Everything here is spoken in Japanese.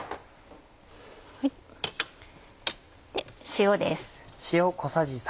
塩です。